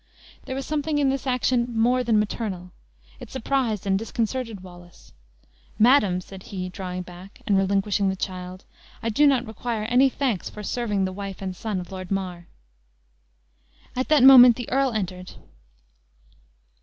There was something in this action more than maternal; it surprised and disconcerted Wallace. "Madam," said he, drawing back, and relinquishing the child. "I do not require any thanks for serving the wife and son of Lord Mar." At that moment the earl entered.